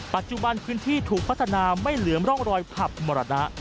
ปัจจุบันพื้นที่ถูกพัฒนาไม่เหลือมร่องรอยผับมรณะ